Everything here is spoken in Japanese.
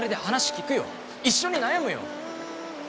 一緒に悩むよ！